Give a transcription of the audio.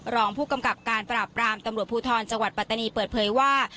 รองผู้กำกับการปราบรามตำรวจภูทรจังหวัดปัตตานีเปิดเผยว่า